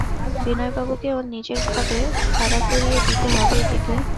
বিনয়বাবুকে ওঁর নিজের ভাবে খাড়া করিয়ে দিতে হবেই দিদি।